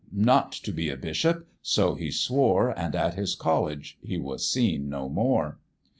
not to be a bishop so he swore, And at his college he was seen no more.